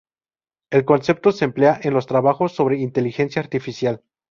El concepto se emplea en los trabajos sobre inteligencia artificial.